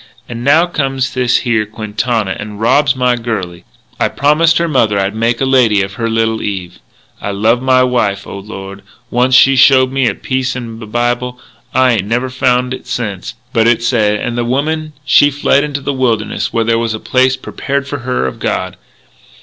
And now comes this here Quintana and robs my girlie.... I promised her mother I'd make a lady of her little Eve.... I loved my wife, O Lord.... Once she showed me a piece in the Bible, I ain't never found it sence, but it said: 'And the woman she fled into the wilderness where there was a place prepared for her of God.'